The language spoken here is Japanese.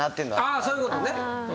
ああそういうことね。